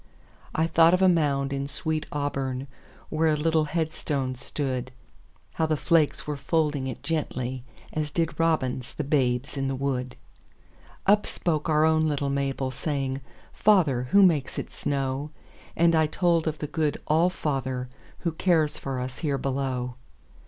I thought of a mound in sweet AuburnWhere a little headstone stood; How the flakes were folding it gently, As did robins the babes in the wood. Up spoke our own little Mabel, Saying, "Father, who makes it snow?"And I told of the good All fatherWho cares for us here below.